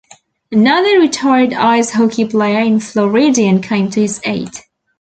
Another retired ice hockey player and Floridian came to his aid.